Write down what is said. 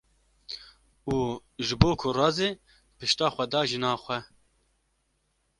....’’ û ji bo ku razê pişta xwe da jina xwe.